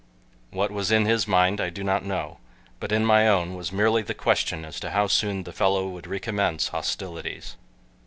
What was in his mind I do not know, but in my own was merely the question as to how soon the fellow would recommence hostilities.